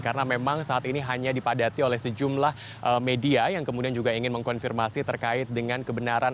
karena memang saat ini hanya dipadati oleh sejumlah media yang kemudian juga ingin mengkonfirmasi terkait dengan kebenaran